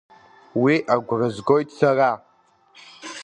Уи агәра згоит сара…